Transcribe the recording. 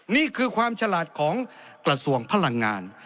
นี่คือความฉลาดของกระทรวงพลังงาน